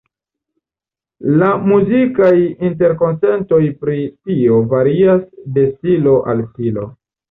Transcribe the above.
La muzikaj interkonsentoj pri tio varias de stilo al stilo.